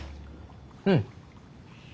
うん。